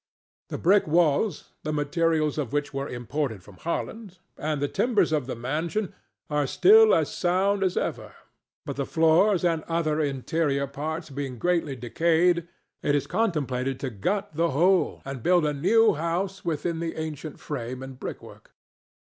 The brick walls, the materials of which were imported from Holland, and the timbers of the mansion, are still as sound as ever, but, the floors and other interior parts being greatly decayed, it is contemplated to gut the whole and build a new house within the ancient frame and brickwork.